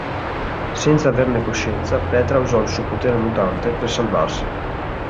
Senza averne coscienza, Petra usò il suo potere mutante per salvarsi.